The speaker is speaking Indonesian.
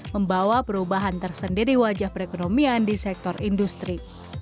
membawa perubahan tersendiri wajah perekonomian di sektor industri